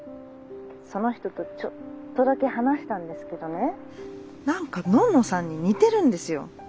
その人とちょっとだけ話したんですけどね何かのんのさんに似てるんですよ。